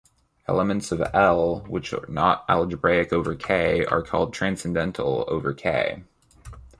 Elements of "L" which are not algebraic over "K" are called transcendental over "K".